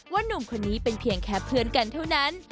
หนุ่มคนนี้เป็นเพียงแค่เพื่อนกันเท่านั้น